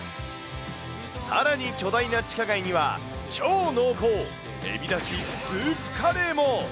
さらに巨大な地下街には、超濃厚、エビだしスープカレーも。